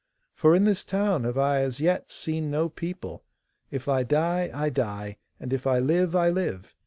For in this town have I as yet seen no people. If I die, I die, and if I live, I live.